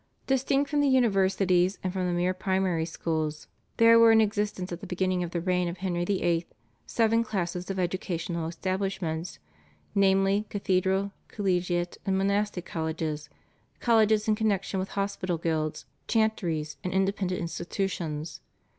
Distinct from the universities and from the mere primary schools there were in existence at the beginning of the reign of Henry VIII. seven classes of educational establishments, namely, cathedral, collegiate, and monastic colleges, colleges in connexion with hospitals, guilds, chantries, and independent institutions.